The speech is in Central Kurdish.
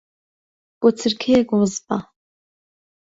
بۆ چرکەیەک وس بە.